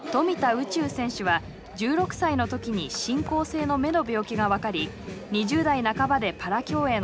宇宙選手は１６歳の時に進行性の目の病気が分かり２０代半ばでパラ競泳の世界へ。